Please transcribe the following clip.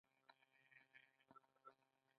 تر غربه پورې یې د اوسپنې پټلۍ پورې تړي.